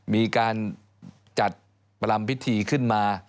มีการจัดประลำพิธีขึ้นมา